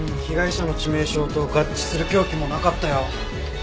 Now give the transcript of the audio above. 被害者の致命傷と合致する凶器もなかったよ。